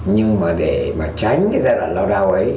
nhưng mà để mà tránh cái giai đoạn lao đao ấy